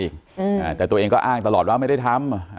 อืมอ่าแต่ตัวเองก็อ้างตลอดว่าไม่ได้ทำ